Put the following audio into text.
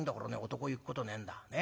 男湯行くことねえんだ。